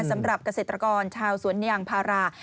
สำหรับเกษตรกรชาวสวนยางพารา